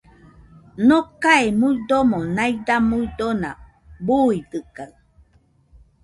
Nocae muidomo naida muidona, buidɨkaɨ